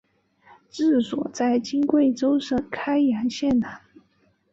治所在今贵州省开阳县南。